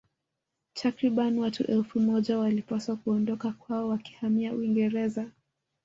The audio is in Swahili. Takriban watu elfu moja walipaswa kuondoka kwao wakihamia Uingereza